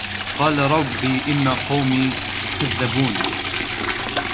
قَالَ رَبِّ إِنَّ قَوْمِي كَذَّبُونِ